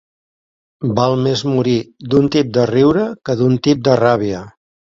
Val més morir d'un tip de riure que d'un tip de ràbia.